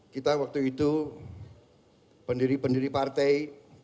kita waktu itu pendiri pendiri partai